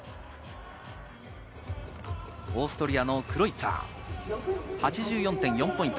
オーストリアのクロイツァー、８４．４ポイント。